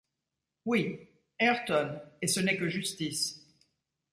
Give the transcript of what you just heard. Oui, Ayrton, et ce n’est que justice.